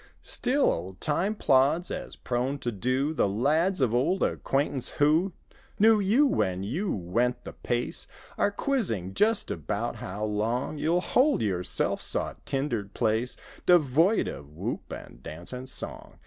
Still old time plods, as prone to do; The lads of old acquaintance who Knew you when you went the pace Are quizzing just about how long You'll hold your self sought tindered place, Devoid of whoop and dance and song.